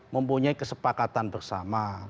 mempunyai kesepakatan bersama